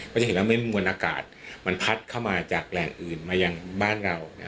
จะเห็นว่ามวลอากาศมันพัดเข้ามาจากแหล่งอื่นมายังบ้านเรา